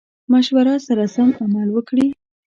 مشورو سره سم عمل وکړي.